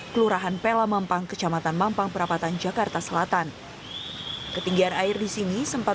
kelurahan pela mampang kecamatan mampang perapatan jakarta selatan ketinggian air di sini sempat